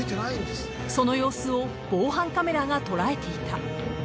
［その様子を防犯カメラが捉えていた］